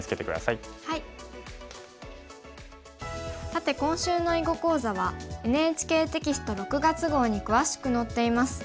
さて今週の囲碁講座はＮＨＫテキスト６月号に詳しく載っています。